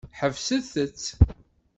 Ḥebset-t.